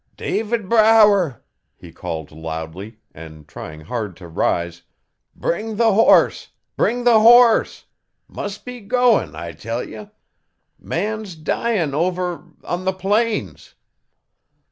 'David Brower!' he called loudly, and trying hard to rise, 'bring the horse! bring the horse! Mus' be goin', I tell ye. Man's dyin' over on the Plains.'